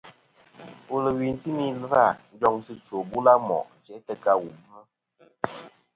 Wulwi timi ɨ̀lvɨ-a njoŋsɨ chwò bula mo' jæ tɨ ka wu bvɨ.